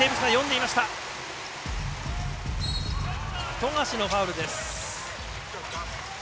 富樫のファウルです。